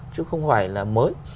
chứ không phải là mới